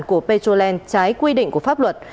của petrolen trái quy định của pháp luật